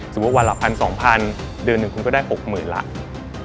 สมมุติว่าวันละ๑๐๐๐๒๐๐๐เดือนหนึ่งคุณก็ได้๖๐๐๐๐บาทแล้ว